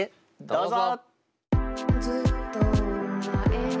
どうぞ。